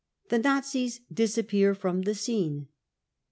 The Nazis disappear from the scene.